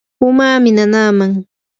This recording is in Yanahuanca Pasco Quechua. umami nanaaman.